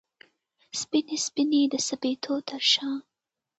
سپینې، سپینې د سپېدو ترشا